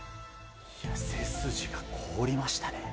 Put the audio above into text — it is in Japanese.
背筋が凍りましたね。